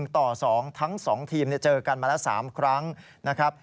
ต่อ๒ทั้ง๒ทีมเจอกันมาแล้ว๓ครั้งนะครับ